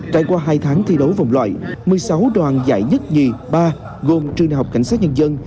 trải qua hai tháng thi đấu vòng loại một mươi sáu đoàn giải nhất nhì ba gồm trường đại học cảnh sát nhân dân